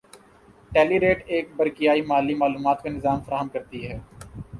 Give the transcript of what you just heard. ٹیلیریٹ ایک برقیائی مالی معلومات کا نظام فراہم کرتی ہے